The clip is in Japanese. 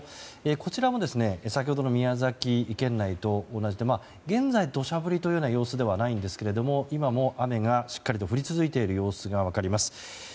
こちらも先ほどの宮崎県内と同じで現在、土砂降りというような様子ではないんですが今も雨がしっかりと降り続いている様子が分かります。